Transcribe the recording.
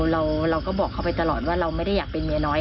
คือเลิกคลีนิกเนี่ย